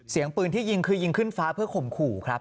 เสียงปืนที่ยิงคือยิงขึ้นฟ้าเพื่อข่มขู่ครับ